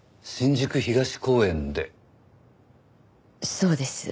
そうです。